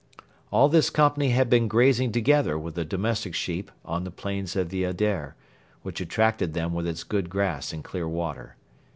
All this company had been grazing together with the domestic sheep on the plains of the Adair, which attracted them with its good grass and clear water.